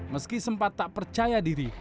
meski sempat tak percaya diri